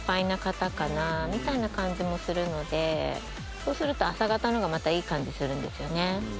そうすると朝方のほうがまたいい感じするんですよね。